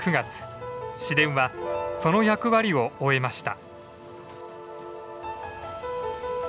市電はその役割を終えました。